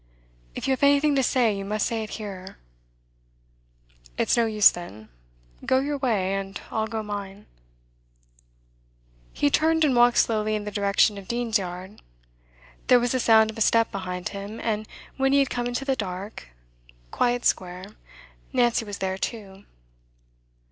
'If you have anything to say, you must say it here.' 'It's no use, then. Go your way, and I'll go mine.' He turned, and walked slowly in the direction of Dean's Yard. There was the sound of a step behind him, and when he had come into the dark, quiet square, Nancy was there too.